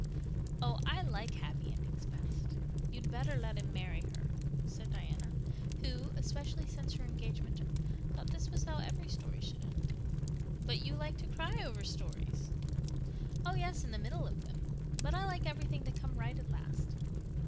"Oh I like happy endings best. You'd better let him marry her," said Diana, who, especially since her engagement to Fred, thought this was how every story should end. "But you like to cry over stories?" "Oh, yes, in the middle of them. But I like everything to come right at last."